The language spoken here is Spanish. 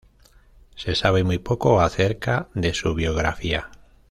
Se sabe muy poco acerca de su biografía.